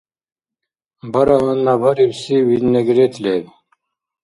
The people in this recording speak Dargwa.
Бара гьанна барибси винегрет леб.